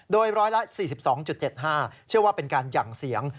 โดยร้อยละ๔๒๗๕เชื่อว่าเป็นการหยั่งเสียง